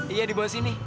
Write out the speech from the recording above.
iya di bawah sini